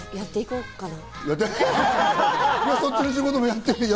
やって行こうかな。